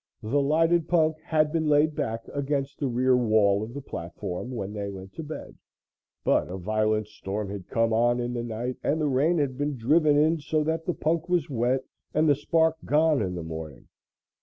The lighted punk had been laid back against the rear wall of the platform when they went to bed, but a violent storm had come on in the night and the rain had been driven in so that the punk was wet and the spark gone in the morning.